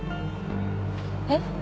えっ？